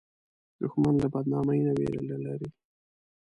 دښمن له بدنامۍ نه ویره نه لري